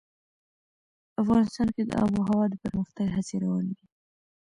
افغانستان کې د آب وهوا د پرمختګ هڅې روانې دي.